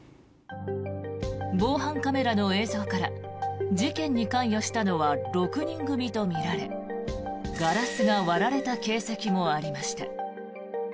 防犯カメラの映像から事件に関与したのは６人組とみられガラスが割られた形跡もありました。